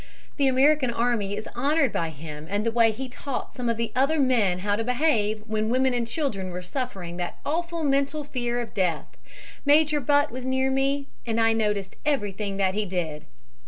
The American army is honored by him and the way he taught some of the other men how to behave when women and children were suffering that awful mental fear of death. Major Butt was near me and I noticed everything that he did.